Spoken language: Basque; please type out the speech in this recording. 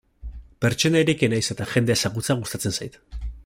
Pertsona irekia naiz eta jendea ezagutzea gustatzen zait.